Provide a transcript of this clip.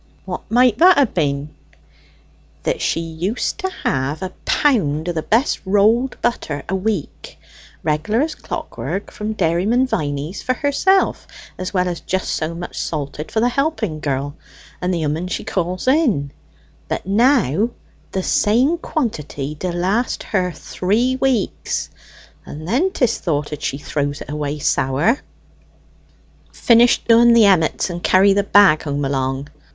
"What might that ha' been?" "That she used to have a pound o' the best rolled butter a week, regular as clockwork, from Dairyman Viney's for herself, as well as just so much salted for the helping girl, and the 'ooman she calls in; but now the same quantity d'last her three weeks, and then 'tis thoughted she throws it away sour." "Finish doing the emmets, and carry the bag home along."